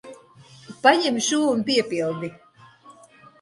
Paņem šo un piepildi.